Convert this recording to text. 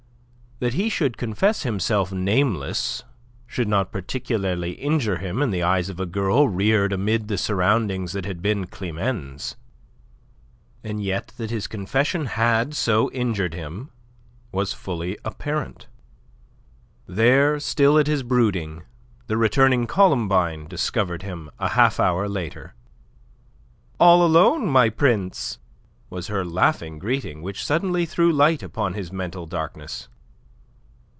That he should confess himself nameless should not particularly injure him in the eyes of a girl reared amid the surroundings that had been Climene's. And yet that his confession had so injured him was fully apparent. There, still at his brooding, the returning Columbine discovered him a half hour later. "All alone, my prince!" was her laughing greeting, which suddenly threw light upon his mental darkness.